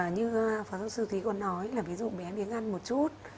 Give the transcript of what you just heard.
như phó sư thúy còn nói ví dụ bé miếng ăn một chút